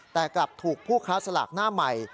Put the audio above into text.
แต่กลับถูกผู้ค้าสลากหน้าใหม่